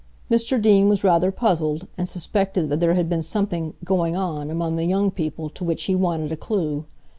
Mr Deane was rather puzzled, and suspected that there had been something "going on" among the young people to which he wanted a clew.